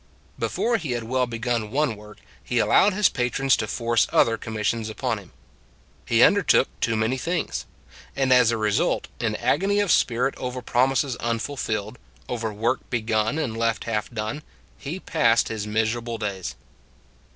Before he had well begun one work, he allowed his patrons to force other com missions upon him. He undertook too many things. And as a result, in agony of spirit over promises unfulfilled, over work begun and left half done, he passed his miserable days.